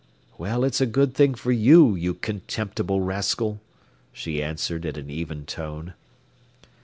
"Well, it's a good thing for you, you contemptible rascal," she answered in an even tone.